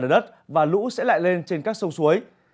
lở đất và lũ sẽ lại lên trên các sông suối